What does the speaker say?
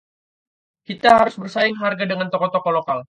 Kita harus bersaing harga dengan toko-toko lokal.